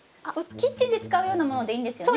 キッチンで使うようなものでいいんですよね？